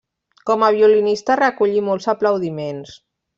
Com a violinista recollí molts aplaudiments.